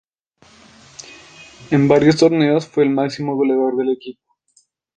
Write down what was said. En varios torneos fue el máximo goleador del equipo.